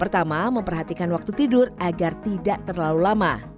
pertama memperhatikan waktu tidur agar tidak terlalu lama